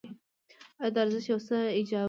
دا ارزښت یو څه ایجابوي.